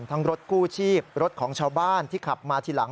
รถกู้ชีพรถของชาวบ้านที่ขับมาทีหลัง